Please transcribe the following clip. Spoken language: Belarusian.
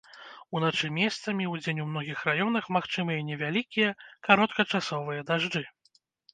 Уначы месцамі, удзень у многіх раёнах магчымыя невялікія кароткачасовыя дажджы.